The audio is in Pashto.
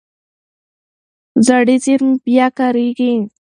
زړې زېرمې بیا کارېږي.